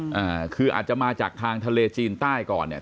อ่าคืออาจจะมาจากทางทะเลจีนใต้ก่อนเนี่ย